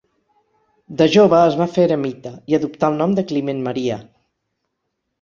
De jove es va fer eremita i adoptà el nom de Climent Maria.